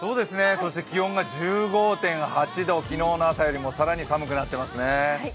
気温が１５．８度、昨日の朝よりも更に寒くなっていますね。